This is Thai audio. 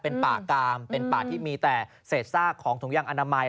เป็นป่ากามเป็นป่าที่มีแต่เศษซากของถุงยางอนามัย